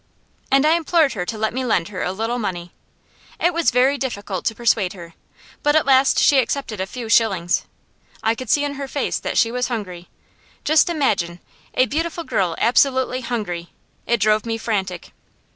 And I implored her to let me lend her a little money. It was very difficult to persuade her, but at last she accepted a few shillings. I could see in her face that she was hungry. Just imagine! A beautiful girl absolutely hungry; it drove me frantic!